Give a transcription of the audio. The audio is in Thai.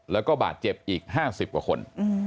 แล้วก็บาดเจ็บอีก๕๐กว่าคน